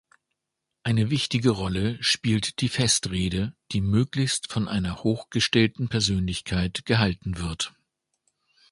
Eine wichtige Rolle spielt die Festrede, die möglichst von einer hochgestellten Persönlichkeit gehalten wird.